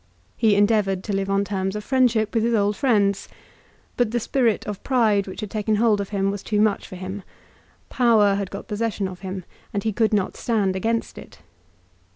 He endeavoured to live on terms of friendship with his old friends. But the spirit of pride which had taken hold of him was too much for him. Power had got possession of him, and he could not stand against it.